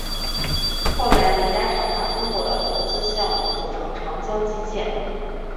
后来李嘉诚把中国的投资项目组成长江基建。